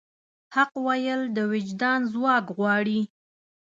حق ویل د وجدان ځواک غواړي.